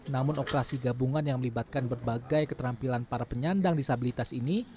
namun operasi gabungan yang melibatkan berbagai keterampilan para penyandang disabilitas ini